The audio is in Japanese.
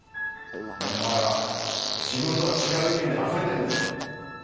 目の前は自分とは違う意見であふれてんだよ。